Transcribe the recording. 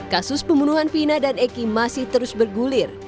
kasus pembunuhan vina dan eki masih terus bergulir